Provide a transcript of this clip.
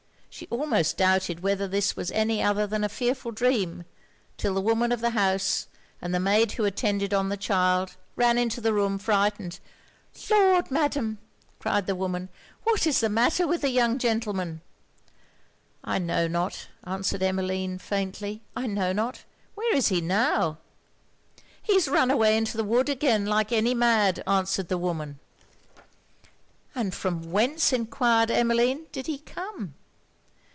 She almost doubted whether this was any other than a fearful dream, 'till the woman of the house, and the maid who attended on the child, ran into the room frightened 'Lord! Madam,' cried the woman, 'what is the matter with the young gentleman?' 'I know not,' answered Emmeline, faintly 'I know not! Where is he now?' 'He's run away into the wood again like any mad,' answered the woman. 'And from whence,' enquired Emmeline, 'did he come?'